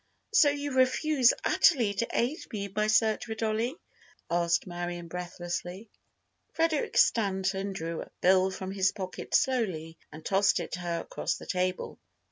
"So you refuse utterly to aid me in my search for Dollie?" asked Marion, breathlessly. Frederic Stanton drew a bill from his pocket slowly and tossed it to her across the table.